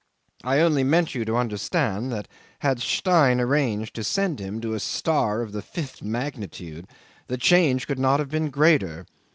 I only meant you to understand that had Stein arranged to send him into a star of the fifth magnitude the change could not have been greater.